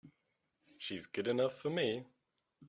She's good enough for me!